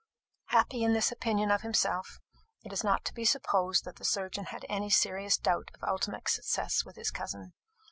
Happy in this opinion of himself, it is not to be supposed that the surgeon had any serious doubt of ultimate success with his cousin.